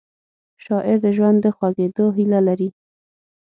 شاعر د ژوند د خوږېدو هیله لري